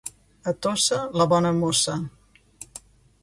A Tossa, la bona mossa.